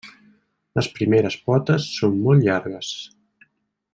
Les primeres potes són molt llargues.